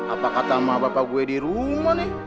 apa kata sama bapak gue dirumah nih